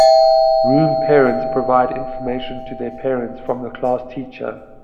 Room Parents provide information to the parents from the class teacher.